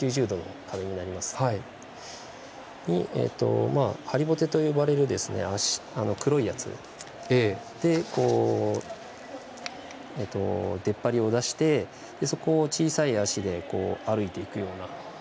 ９０度の壁にハリボテと呼ばれる黒いやつで出っ張りを出してそこを小さい足で歩いていくような。